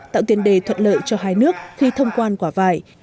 tạo tiền đề thuận lợi cho hai nước khi thông quan quả vải